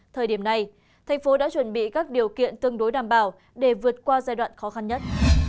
thời điểm này thành phố đã chuẩn bị các điều kiện tương đối đảm bảo để vượt qua giai đoạn khó khăn nhất